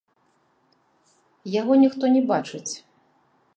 Яго ніхто не бачыць.